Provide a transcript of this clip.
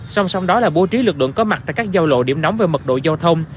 song song đó là bố trí lực lượng có mặt tại các giao lộ điểm nóng về mật độ giao thông